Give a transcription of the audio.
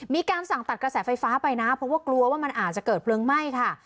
มีการสั่งตัดกระแสไฟฟ้าไปนะเพราะว่ากลัวว่ามันอาจจะเกิดเพลิงไหม้ค่ะ